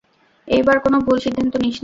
এইবার কোনো ভুল সিদ্ধান্ত নিস না।